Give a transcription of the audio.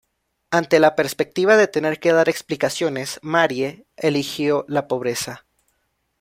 Ante la perspectiva de tener que dar explicaciones, Marie eligió la pobreza.